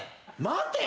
待て！